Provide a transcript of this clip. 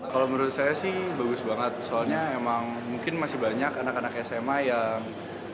kalau menurut saya sih bagus banget soalnya emang mungkin masih banyak anak anak sma yang